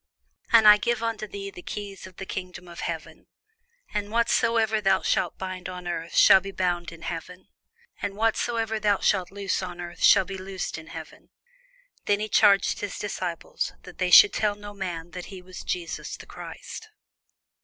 And I will give unto thee the keys of the kingdom of heaven: and whatsoever thou shalt bind on earth shall be bound in heaven: and whatsoever thou shalt loose on earth shall be loosed in heaven. Then charged he his disciples that they should tell no man that he was Jesus the Christ.